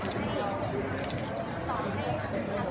พี่แม่ที่เว้นได้รับความรู้สึกมากกว่า